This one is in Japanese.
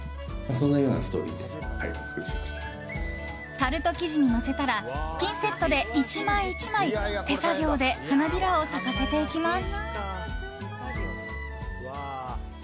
タルト生地にのせたらピンセットで１枚１枚手作業で花びらを咲かせていきます。